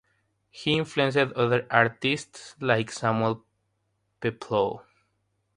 He influenced other artists like Samuel Peploe.